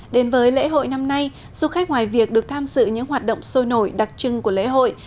đến với lễ hội năm nay du khách ngoài việc được tham dự những hoạt động sôi nổi đặc trưng của lễ hội